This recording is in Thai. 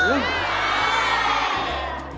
อื้อ